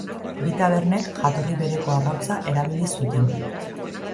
Bi tabernek jatorri bereko arrautza erabili zuten.